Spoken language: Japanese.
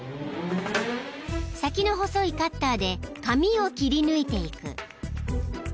［先の細いカッターで紙を切り抜いていく］